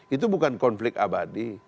itu bukan konflik abadi